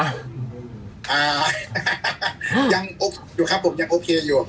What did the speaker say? ยังโอเคอยู่ครับผมยังโอเคอยู่